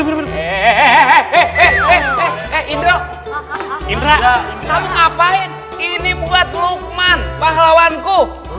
eh eh eh eh eh eh indra indra kamu ngapain ini buat luqman pahlawanku